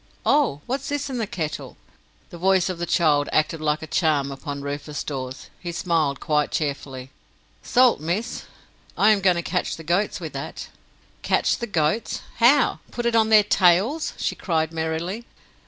Oh! what's this in the kettle?" The voice of the child acted like a charm upon Rufus Dawes. He smiled quite cheerfully. "Salt, miss. I am going to catch the goats with that." "Catch the goats! How? Put it on their tails?" she cried merrily.